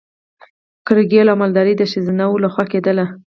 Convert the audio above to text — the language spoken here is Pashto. کرکیله او مالداري د ښځینه وو لخوا کیدله.